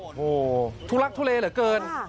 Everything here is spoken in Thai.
โอ้โหทุลักทุเลเหลือเกิน